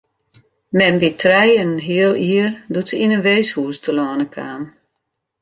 Mem wie trije en in heal jier doe't se yn in weeshûs telâne kaam.